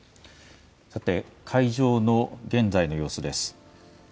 さて、会場の現在の様子です。